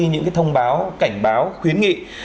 những cái thông báo cảnh báo khuyến nghị